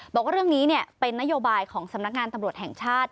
บอกว่าเรื่องนี้เป็นนโยบายของสำนักงานตำรวจแห่งชาติ